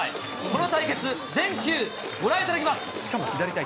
この対決、全球、ご覧いただきます！